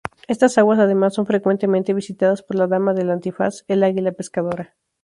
Estas aguas además son frecuentemente visitadas por la dama del antifaz, el águila pescadora.